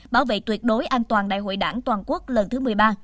bảo vệ tuyệt đối an toàn đại hội đảng toàn quốc lần thứ một mươi ba